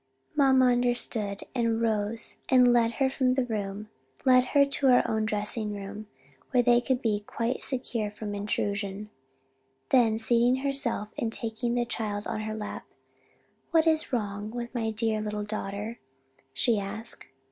Mamma understood, rose and led her from the room; led her to her own dressing room where they could be quite secure from intrusion. Then seating herself and taking the child on her lap, "What is wrong with my dear little daughter?" she asked.